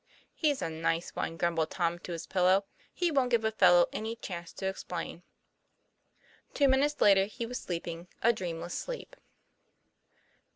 "He's a nice one," grumbled Tom to his pillow. 'He wont give a fellow any chance to explain." Two minutes later he was sleeping a dreamless sleep.